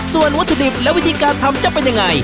ส่วนวัตถุดิบและวิธีการทำจะเป็นยังไง